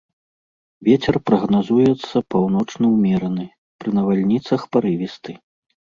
Вецер прагназуецца паўночны ўмераны, пры навальніцах парывісты.